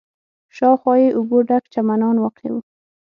شاوخوا یې اوبو ډک چمنان واقع و.